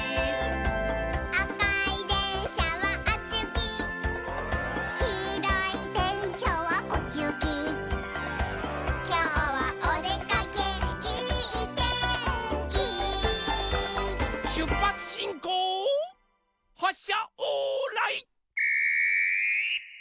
「あかいでんしゃはあっちゆき」「きいろいでんしゃはこっちゆき」「きょうはおでかけいいてんき」しゅっぱつしんこうはっしゃオーライ。